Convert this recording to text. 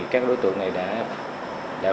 các đối tượng này đã kiểm tra các tiệm vàng này